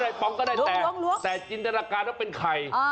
เอาปองก็ได้แต่จินตนาการต้องเป็นไข่